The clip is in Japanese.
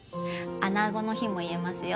穴子の日も言えますよ。